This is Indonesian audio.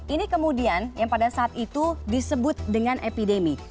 ini kemudian yang pada saat itu disebut dengan epidemi